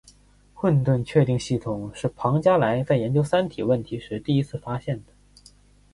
混沌确定系统是庞加莱在研究三体问题时第一次发现的。